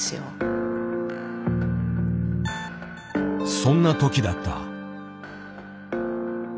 そんな時だった。